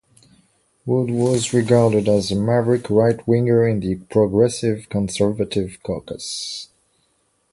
Wood was regarded as a maverick right-winger in the Progressive Conservative caucus.